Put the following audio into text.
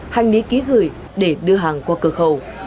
hành lý ký gửi để đưa hàng qua cửa khẩu